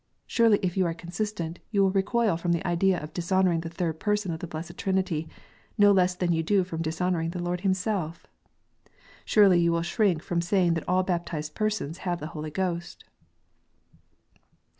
Surely, if you are consistent, you will recoil from the idea of dishonouring the Third Person of the blessed Trinity, no less than you do from dishonouring the Lord Himself. Surely you will shrink from saying that all baptized persons have the Holy Ghost.